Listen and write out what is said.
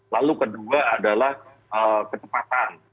lalu kedua adalah kecepatan